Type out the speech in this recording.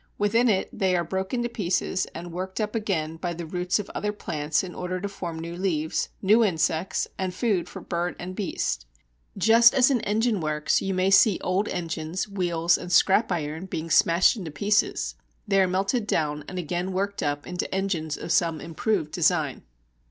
Within it, they are broken to pieces and worked up again by the roots of other plants in order to form new leaves, new insects, and food for bird and beast. Just as in engine works, you may see old engines, wheels, and scrap iron being smashed into pieces; they are melted down and again worked up into engines of some improved design.